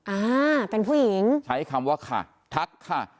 อ่าเป็นผู้หญิงใช้คำว่าค่ะทักค่ะ